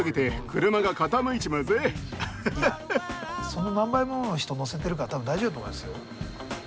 その何倍もの人を乗せてるから多分大丈夫だと思いますよ。